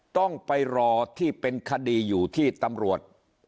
ต้องไปรอที่เป็นคดีอยู่ที่ตำรวจ